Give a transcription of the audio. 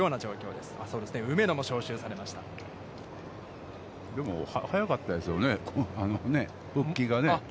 でも早かったですよね。